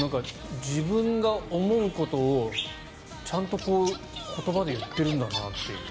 自分が思うことをちゃんと言葉で言ってるんだなっていう。